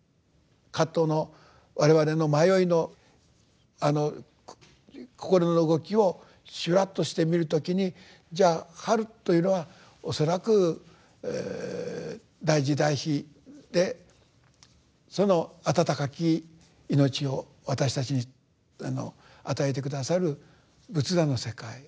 葛藤の我々の迷いの心の動きを「修羅」として見る時にじゃあ「春」というのは恐らく大慈大悲でその温かき命を私たちに与えて下さる仏陀の世界。